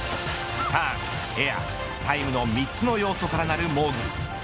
ターン、エア、タイムの３つの要素からなるモーグル。